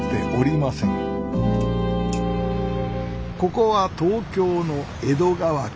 ここは東京の江戸川区。